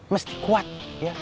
mesti kuat ya